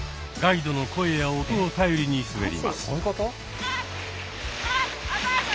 ガイドの声や音を頼りに滑ります。